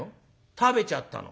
「食べちゃったの」。